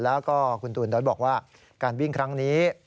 แล้วก็คุณตูนด้อยบอกว่าการวิ่งครั้งนี้